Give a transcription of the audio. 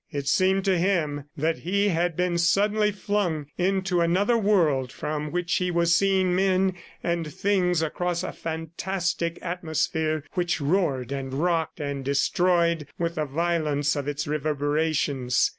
It seemed to him that he had been suddenly flung into another world from which he was seeing men and things across a fantastic atmosphere which roared and rocked and destroyed with the violence of its reverberations.